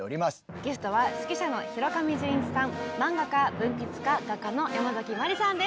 ゲストは指揮者の広上淳一さん漫画家文筆家画家のヤマザキマリさんです。